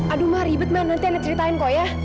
aduh mah ribet mah nanti anda ceritain kok ya